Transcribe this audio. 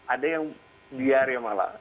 ada yang biar ya malah